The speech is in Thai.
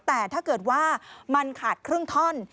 แต่ถ้าเกิดว่ามันขาดครึ่งท่อน